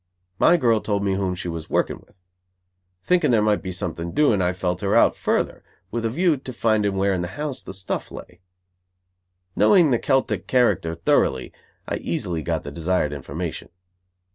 My girl told me whom she was working with. Thinking there might be something doing I felt her out further, with a view to finding where in the house the stuff lay. Knowing the Celtic character thoroughly, I easily got the desired information.